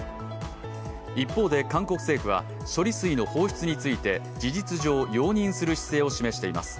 一方で韓国政府は処理水の放出について事実上容認する姿勢を示しています。